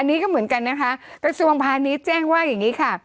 อันนี้ก็เหมือนกันนะคะกระทรวงพาณิชย์แจ้งว่าอย่างนี้ค่ะ